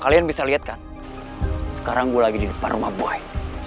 kalian bisa lihat kan sekarang gue lagi di depan rumah buai